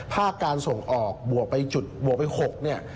ภาคการส่งออกบวกไป๖